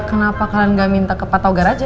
kenapa kalian gak minta ke patogar aja